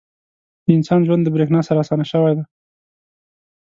• د انسان ژوند د برېښنا سره اسانه شوی دی.